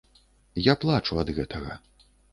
Я плачу ад гэтага.